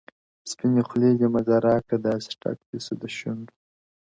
سپیني خولې دي مزه راکړه داسي ټک دي سو د شونډو،